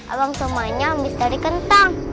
abang somanya mister kentang